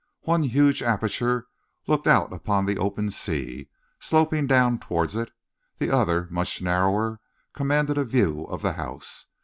One huge aperture looked out upon the open sea, sloping down towards it. The other, much narrower, commanded a view of the house.